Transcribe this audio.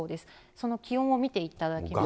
その気温を見ていただきますと。